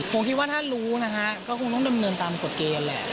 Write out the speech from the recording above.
ผมคิดว่าถ้ารู้นะฮะก็คงต้องดำเนินตามกฎเกณฑ์แหละ